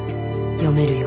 読めるよ